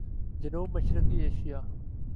جنوب مشرقی ایشیا